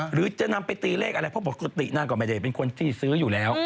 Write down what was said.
หรือจะนำไปตีเลขอะไรเพราะปกตินางก็ไม่ได้เป็นคนที่ซื้ออยู่แล้ว